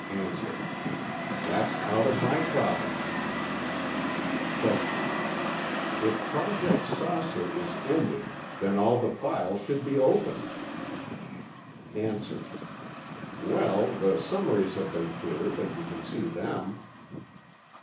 A. That's out of my province. Q. If Project "Saucer" is ended, then all the files should be opened. A. Well, the summaries have been cleared, and you can see them.